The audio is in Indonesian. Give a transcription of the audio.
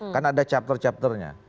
kan ada chapter chapternya